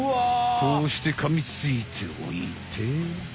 こうしてかみついておいて。